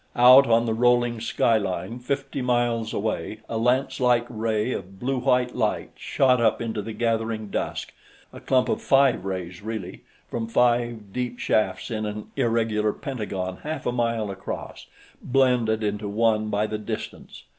Out on the rolling skyline, fifty miles away, a lancelike ray of blue white light shot up into the gathering dusk a clump of five rays, really, from five deep shafts in an irregular pentagon half a mile across, blended into one by the distance.